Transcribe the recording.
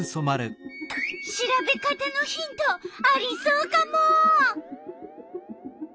調べ方のヒントありそうカモ！